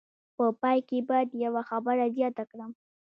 په پای کې باید یوه خبره زیاته کړم.